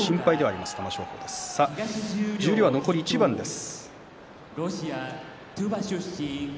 十両、残り一番です。